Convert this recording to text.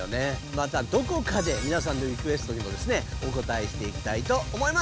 またどこかでみなさんのリクエストにもですねおこたえしていきたいと思います。